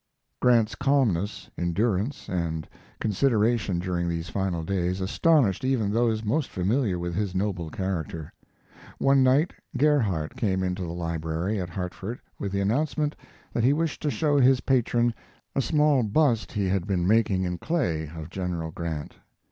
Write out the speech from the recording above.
Grant's calmness, endurance, and consideration during these final days astonished even those most familiar with his noble character. One night Gerhardt came into the library at Hartford with the announcement that he wished to show his patron a small bust he had been making in clay of General Grant.